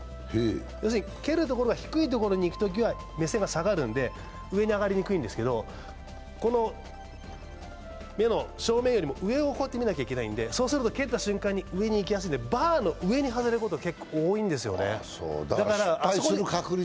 要するに蹴るところが低いところなら目線が下がるんで上に上がりにくいんですけど、目の正面よりも上を見なきゃいけないので、そうすると蹴った瞬間に上に行きやすいんでバーの上に外れることが結構多いんですよね。